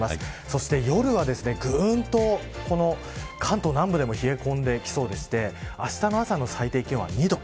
そして夜は、ぐーんと関東南部でも冷え込んできそうでしてあしたの朝の最低気温は２度。